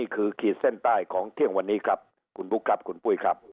คุณบุ๊คครับคุณปุ๊ยครับ